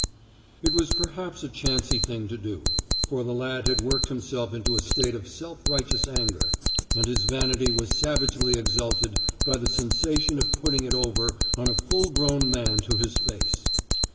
It was perhaps a chancy thing to do, for the lad had worked himself into a state of self righteous anger, and his vanity was savagely exulted by the sensation of putting it over on a full grown man to his face.